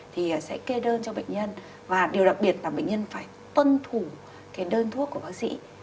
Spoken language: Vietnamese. thì sẽ kê đơn cho bệnh nhân và điều đặc biệt là bệnh nhân phải tuân thủ cái đơn thuốc của bác sĩ